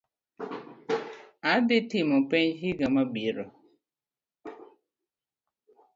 Adii timo penj iga mabiro.